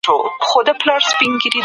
پلار د جنت دروازه ده.